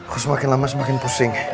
kok semakin lama semakin pusing